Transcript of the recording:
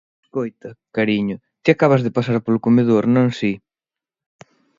_Escoita, cariño, ti acabas de pasar polo comedor, ¿non si?